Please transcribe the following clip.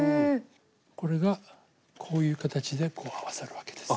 これがこういう形でこう合わさるわけです。